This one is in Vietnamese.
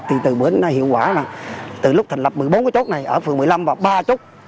thì từ bữa nay hiệu quả là từ lúc thành lập một mươi bốn cái chút này ở phường một mươi năm và ba chút